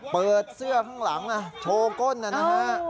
เปิดเสื้อข้างหลังโชว์ก้นนะฮะ